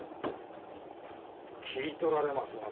切り取られますな